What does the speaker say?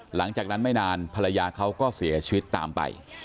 หลังจากนั้นไม่นานภรรยาเขาก็เสียชีวิตตามไป